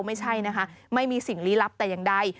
ไม่ใช่นะคะไม่มีสิ่งลี้ลับแต่อย่างใด